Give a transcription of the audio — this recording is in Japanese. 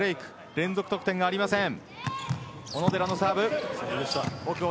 連続得点がありません。